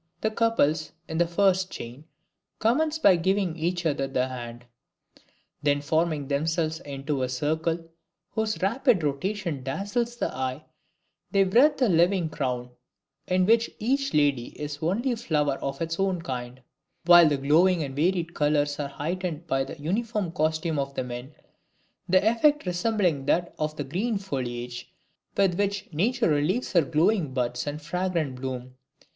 The couples, in the first chain, commence by giving each other the hand; then forming themselves into a circle, whose rapid rotation dazzles the eye, they wreathe a living crown, in which each lady is the only flower of its own kind, while the glowing and varied colors are heightened by the uniform costume of the men, the effect resembling that of the dark green foliage with which nature relieves her glowing buds and fragrant bloom.